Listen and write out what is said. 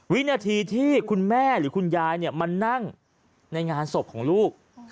วินาทีที่คุณแม่หรือคุณยายมานั่งในงานศพของลูก